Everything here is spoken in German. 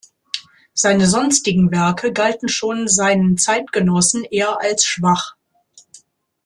Seine sonstigen Werke galten schon seinen Zeitgenossen eher als schwach.